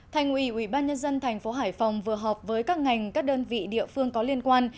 thành ủy ubnd tp hải phòng vừa họp với các ngành các đơn vị địa phương có liên quan